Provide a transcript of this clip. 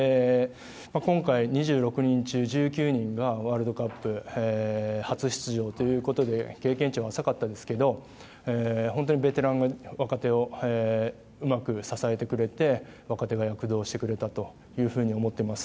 今回、２６人中１９人がワールドカップ初出場ということで経験値は浅かったですけど本当にベテランが若手をうまく支えてくれて若手が躍動してくれたと思っています。